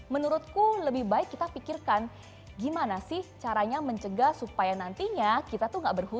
menurutku lebih baik kita pikirkan gimana sih caranya mencegah supaya nantinya kita tuh gak berhutang